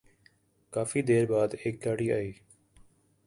کافی دیر بعد ایک گاڑی آئی ۔